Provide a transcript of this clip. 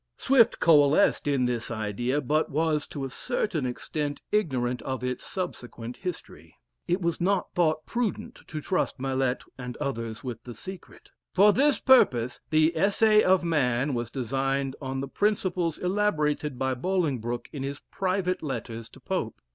Swift coalesced in this idea, but was, to a certain extent, ignorant of its subsequent history. It was not thought prudent to trust Mallet and others with the secret. For this purpose the "Essay of Man" was designed on the principles elaborated by Bolingbroke in his private letters to Pope.